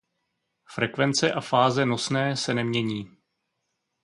Frekvence a fáze nosné se nemění.